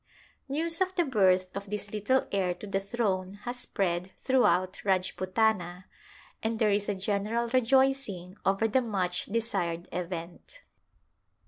News of the birth of this little heir to the throne has spread throughout Rajputana and there is a general rejoicing over the much desired event.